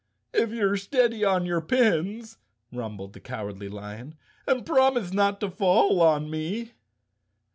"If you're steady on your pins," rumbled the Cow¬ ardly Lion, "and promise not to fall on me."